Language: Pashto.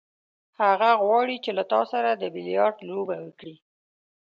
هغه غواړي چې له تا سره د بیلیارډ لوبه وکړي.